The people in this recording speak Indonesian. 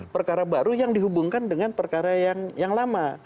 perkara baru yang dihubungkan dengan perkara yang lama